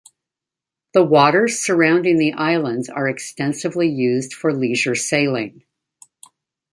The waters surrounding the islands are extensively used for leisure sailing.